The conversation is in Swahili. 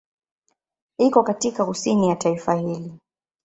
Iko katika kusini ya taifa hili.